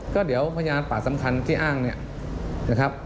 ก็เดี๋ยวพยานปากสำคัญที่อ้างเนี่ยนะครับ